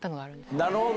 なるほど。